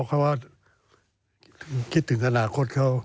เขาไม่เสีย